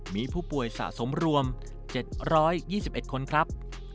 มีผู้ป่วยสะสมรวม๗๒๑คนครับ